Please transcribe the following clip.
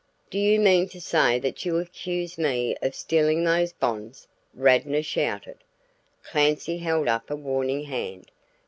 "Do you mean to say that you accuse me of stealing those bonds?" Radnor shouted. Clancy held up a warning hand.